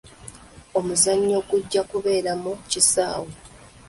Omuzannyo gujja kubeera mu kisaawe.